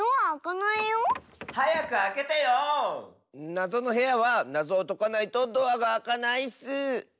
なぞのへやはなぞをとかないとドアがあかないッス！